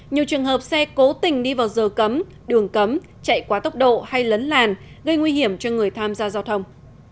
nhiều trường hợp xe cố tình đi vào giờ cấm đường cấm chạy quá tốc độ hay lấn làn gây nguy hiểm cho người tham gia giao thông